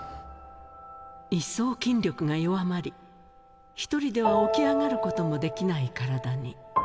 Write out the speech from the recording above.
一層筋力が弱まり、一人では起き上がることもできない体に。